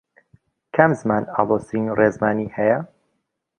کام زمان ئاڵۆزترین ڕێزمانی هەیە؟